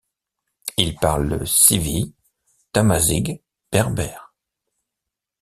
Ils parlent le Siwi, Tamazight berbère.